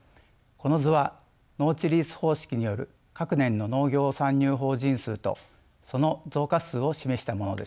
この図は農地リース方式による各年の農業参入法人数とその増加数を示したものです。